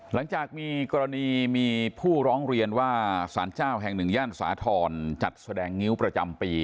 หลังจากมีกรณีมีผู้ร้องเรียนว่าสารเจ้าแห่งหนึ่งย่านสาธรณ์จัดแสดงงิ้วประจำปี